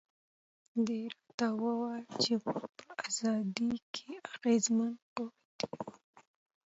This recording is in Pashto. ده راته وویل چې موږ په ازادۍ کې اغېزمن قوت یو.